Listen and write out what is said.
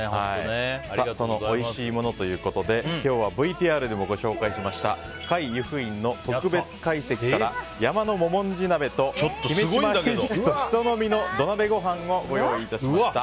そのおいしいものということで今日はＶＴＲでも紹介しました界由布院の特別会席から山のももんじ鍋と、姫島ひじきと紫蘇の実の土鍋ごはんをご用意しました。